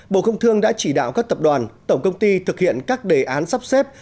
bộ công thương đã chỉ đạo các tập đoàn tổng công ty thực hiện các đề án sắp xếp